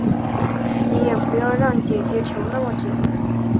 你也不要让姐姐求那么久